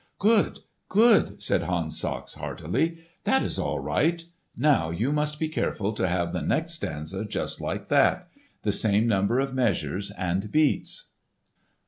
"Good, good!" said Hans Sachs heartily. "That is all right. Now you must be careful to have the next stanza just like that; the same number of measures and beats."